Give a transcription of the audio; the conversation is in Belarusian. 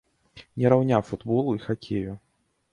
Не раўня футболу і хакею.